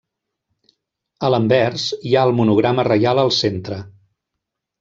A l'anvers hi ha el monograma reial al centre.